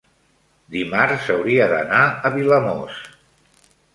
dimarts hauria d'anar a Vilamòs.